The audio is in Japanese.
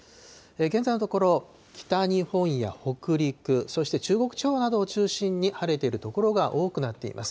現在のところ、北日本や北陸、そして中国地方などを中心に、晴れている所が多くなっています。